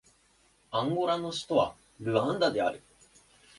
アンゴラの首都はルアンダである